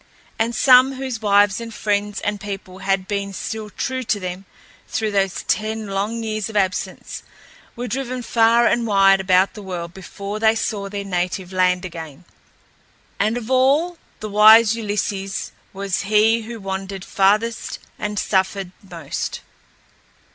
And some, whose wives and friends and people had been still true to them through those ten long years of absence, were driven far and wide about the world before they saw their native land again. And of all, the wise Ulysses was he who wandered farthest and suffered most.